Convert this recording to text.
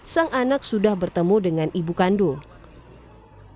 sang anak sudah bertemu dengan ibu kandung